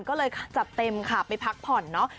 ก็เลยจัดเต็มค่ะไปพักผ่อนเนาะ